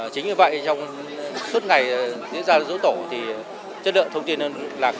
chính như vậy trong suốt ngày đến giai đoạn giấu tổ thì chất lượng thông tin liên lạc